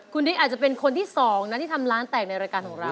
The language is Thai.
คุณฤทธิอาจจะเป็นคนที่สองนะที่ทำร้านแตกในรายการของเรา